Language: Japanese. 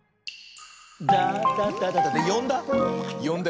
よんだ？